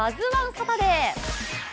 サタデー。